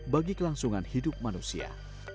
bagi kelangsungan hidup manusia